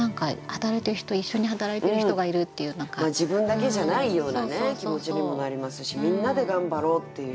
自分だけじゃないような気持ちにもなりますしみんなで頑張ろうっていう。